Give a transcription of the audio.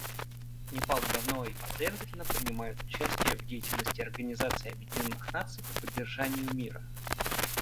Непал давно и последовательно принимает участие в деятельности Организации Объединенных Наций по поддержанию мира.